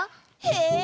へえ！